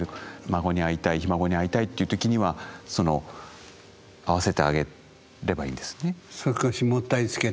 孫に会いたいひ孫に会いたいという時には会わせてあげればいいんですね。